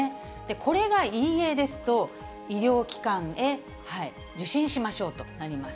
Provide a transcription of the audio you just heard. これがいいえですと、医療機関へ受診しましょうとなります。